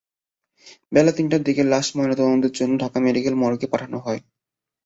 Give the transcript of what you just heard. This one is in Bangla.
বেলা তিনটার দিকে লাশ ময়নাতদন্তের জন্য ঢাকা মেডিকেল কলেজ মর্গে পাঠানো হয়।